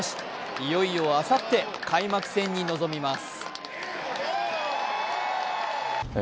いよいよあさって、開幕戦に臨みます。